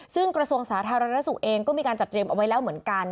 ซึ่งกระทรวงสาธารณสุขเองก็มีการจัดเตรียมเอาไว้แล้วเหมือนกัน